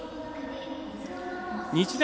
日大